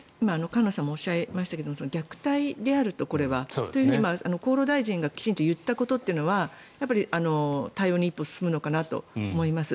菅野さんもおっしゃいましたが虐待であると、これはと厚労大臣がきちんと言ったことというのは対応に一歩進むのかなと思います。